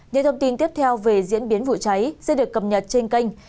những thông tin tiếp theo về diễn biến vụ cháy sẽ được cập nhật trên kênh